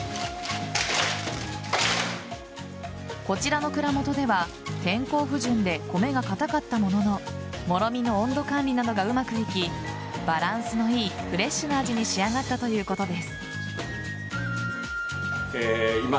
こちらの蔵元では、天候不順で米が固かったもののもろみの温度管理などがうまくいきバランスの良いフレッシュな味に仕上がったということです。